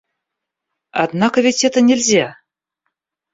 Однако ведь это нельзя.